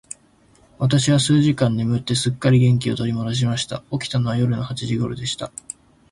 私は数時間眠って、すっかり元気を取り戻しました。起きたのは夜の八時頃でした。